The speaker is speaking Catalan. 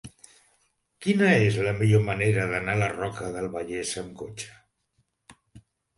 Quina és la millor manera d'anar a la Roca del Vallès amb cotxe?